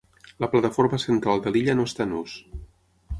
La plataforma central de l'illa no està en ús.